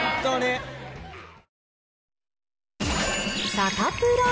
サタプラ。